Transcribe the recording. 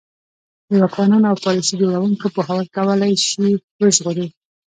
د واکمنانو او پالیسي جوړوونکو پوهول کولای شي وژغوري.